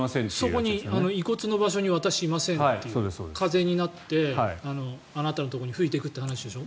そこに遺骨の場所に私いませんという風になってあなたのところに吹いていくという話でしょ。